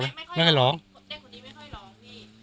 เด็กคนนี้ไม่ค่อยร้องพี่